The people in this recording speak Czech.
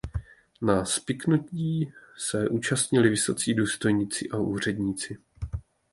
Na spiknutí se účastnili vysocí důstojníci a úředníci.